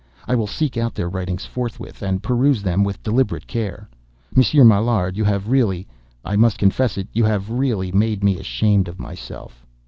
I will seek out their writings forthwith, and peruse them with deliberate care. Monsieur Maillard, you have really—I must confess it—you have really—made me ashamed of myself!"